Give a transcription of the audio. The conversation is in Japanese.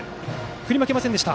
振り負けませんでした。